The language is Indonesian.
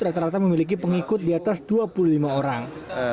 rata rata memiliki pengikut di atas dua puluh lima orang